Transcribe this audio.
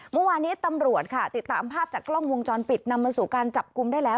เมื่อวานี้ตำรวจค่ะติดตามภาพจากกล้องวงจรปิดนำมาสู่การจับกลุ่มได้แล้ว